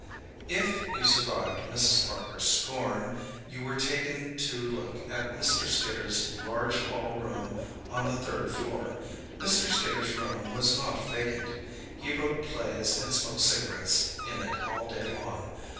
If you survived Mrs. Parker's scorn, you were taken to look at Mr. Skidder's large hall room on the third floor. Mr. Skidder's room was not vacant. He wrote plays and smoked cigarettes in it all day long.